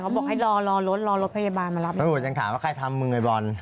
บอกให้รอรอรถรอรถพยาบาลมารับเลยเออยังถามว่าใครทำมึงไอ้บอล